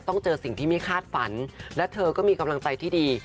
เจอสิ่งที่ไม่คาดฝันและเธอก็มีกำลังใจที่ดี